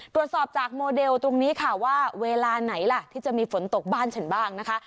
ตรวจสอบจากโมเดลตรงนี้ค่ะว่าเวลาไหนล่ะที่จะมีฝนตกบ้านฉันบ้างนะคะ